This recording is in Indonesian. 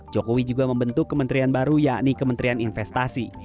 jokowi juga membentuk kementerian baru yakni kementerian investasi